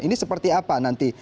ini seperti apa nanti